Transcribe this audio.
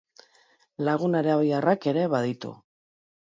Lagun arabiarrak ere baditu.